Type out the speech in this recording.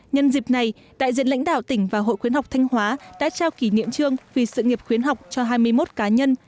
nhân dịp này đại diện lãnh đạo tỉnh và hội khuyến học thanh hóa đã trao kỷ niệm trương vì sự nghiệp khuyến học cho hai mươi một cá nhân